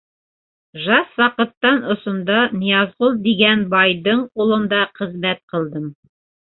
Жас ваҡыттан осонда Ныязғол дигән байдың ҡулында ҡызмәт ҡылдым.